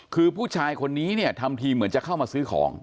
คือผู้ชายคนนี้เนี่ยทำทีเหมือนจะเข้ามาซื้อของ